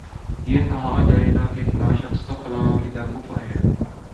یہ کہا جائے گا کہ فلاں شخص کا فلاں عقیدہ کفر ہے